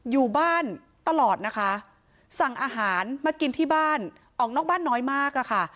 อยู่บ้านตลอดนะคะสั่งอาหารมากินที่บ้านออกนอกบ้านน้อยมากอะค่ะ